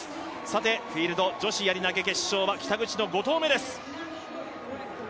さてフィールド、女子やり投決勝は北口の５投目です。